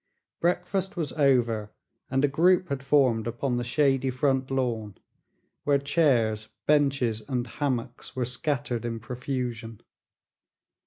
Breakfast was over and a group had formed upon the shady front lawn, where chairs, benches and hammocks were scattered in profusion.